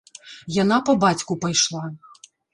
Яна па бацьку пайшла.